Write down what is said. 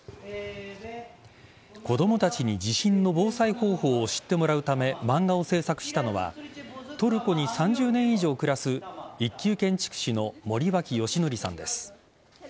子供たちに地震の防災方法を知ってもらうため漫画を制作したのはトルコに３０年以上暮らす一級建築士の森脇義則さんです。